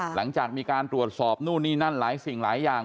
หลังจากมีการตรวจสอบนู่นนี่นั่นหลายสิ่งหลายอย่าง